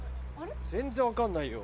全然分かんないよ。